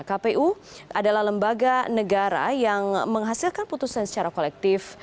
kpu adalah lembaga negara yang menghasilkan putusan secara kolektif